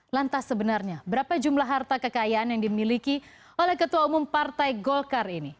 lantas sebenarnya berapa jumlah harta kekayaan yang dimiliki oleh ketua umum partai golkar ini